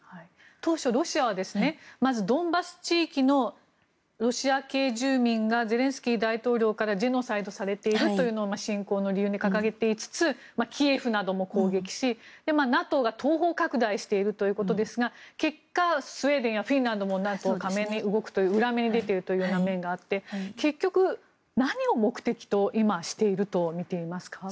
当初、ロシアはまずドンバス地域のロシア系住民がゼレンスキー大統領からジェノサイドされているというのを侵攻の理由に掲げつつキーウなども攻撃しＮＡＴＯが東方拡大しているということですが結果、スウェーデンやフィンランドも加盟に動くという裏目に出ているという面があって結局、今、何を目的としているとみていますか。